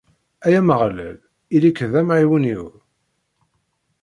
Ay Ameɣlal, ili-k d amɛiwen-iw!